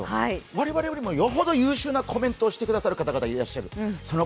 我々よりもよほど優秀なコメントをしてくださっている方々がいらっしゃる。